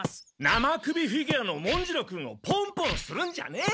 生首フィギュアのもんじろ君をポンポンするんじゃねえ！